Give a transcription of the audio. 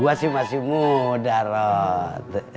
gua sih masih muda rod